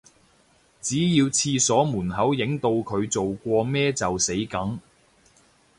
只要廁所門口影到佢做過咩就死梗